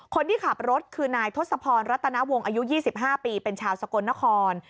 คนที่ขับรถคือนายทศพรรัตนวงอายุ๒๕ปีเป็นชาวสกลนคร